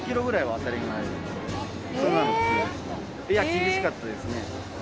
厳しかったですね。